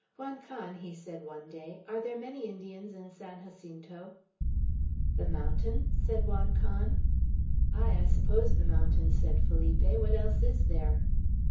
"Juan Can," he said one day, "are there many Indians in San Jacinto?" "The mountain?" said Juan Can. "Ay, I suppose, the mountain," said Felipe. "What else is there?"